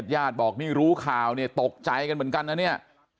ยาดบอกนี่รู้ข่าวตกใจกันเหมือนกันนะนี่